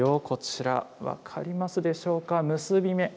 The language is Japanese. こちら、分かりますでしょうか。